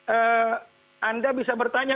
ee anda bisa bertanya